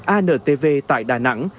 antv tại đà nẵng